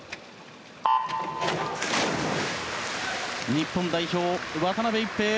日本代表、渡辺一平。